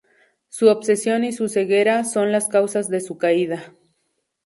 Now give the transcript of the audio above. Su obsesión y su ceguera son las causas de su caída.